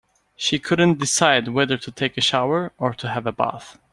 She couldn't decide whether to take a shower or to have a bath.